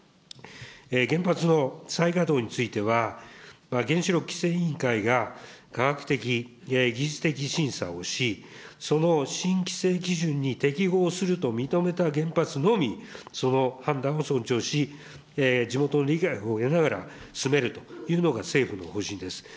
原発の再稼働については、原子力規制委員会が科学的、技術的審査をし、その新規制基準に適合すると認めた原発のみ、その判断を尊重し、地元の理解を得ながら進めるというのが政府の方針です。